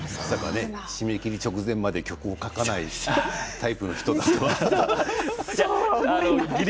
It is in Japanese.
締め切り直前まで曲を書かないタイプの人だと思う。